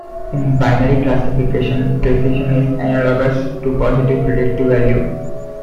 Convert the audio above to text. In binary classification, precision is analogous to positive predictive value.